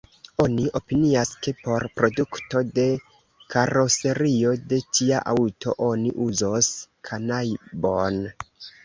Oni opinias, ke por produkto de karoserio de tia aŭto oni uzos kanabojn.